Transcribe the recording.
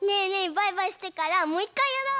バイバイしてからもういっかいやろう！